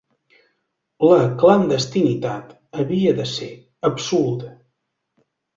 La clandestinitat havia de ser absoluta.